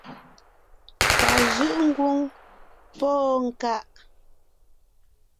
Pà jʉ́’ ńgwóŋ póo ńká.